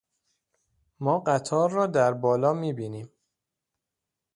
ما قطار را در بالا می بینیم.